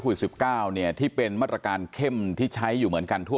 ควิดสิบเก้านี่ที่เป็นมัตรการเข้มที่ใช้อยู่เหมือนกันทั่ว